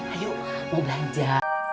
ayo mau belanja